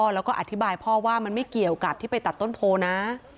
แล้วก็อธิบายพ่อว่ามันไม่เกี่ยวกับที่ไปตัดต้นโพลนะ